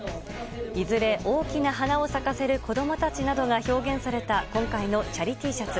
いずれ大きな花を咲かせる子供たちが表現された今回のチャリＴシャツ。